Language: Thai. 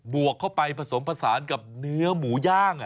วกเข้าไปผสมผสานกับเนื้อหมูย่าง